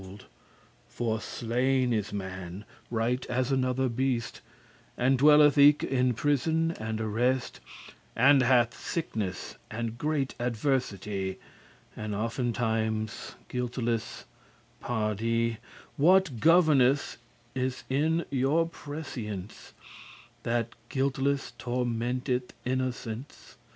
*lie huddled together For slain is man, right as another beast; And dwelleth eke in prison and arrest, And hath sickness, and great adversity, And oftentimes guilteless, pardie* *by God What governance is in your prescience, That guilteless tormenteth innocence?